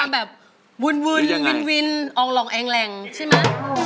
มันมีความแบบวืนอองรองแองแรงใช่มะ